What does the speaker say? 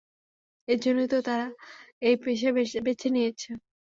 এজন্যই তো তারা এই পেশা বেছে নিয়েছে।